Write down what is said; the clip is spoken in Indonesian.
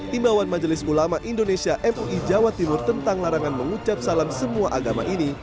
imbauan majelis ulama indonesia mui jawa timur tentang larangan mengucap salam semua agama ini